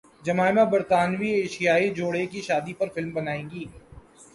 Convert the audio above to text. Jemima برطانوی ایشیائی جوڑے کی شادی پر فلم بنائیں گی